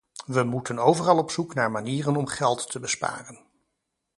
We moeten overal op zoek naar manieren om geld te besparen.